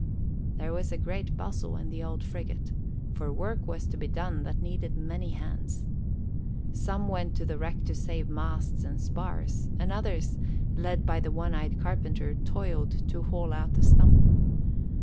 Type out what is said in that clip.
There was a great bustle in the old frigate, for work was to be done that needed many hands. Some went to the wreck to save masts and spars, and others, led by the one eyed carpenter, toiled to haul out the stump.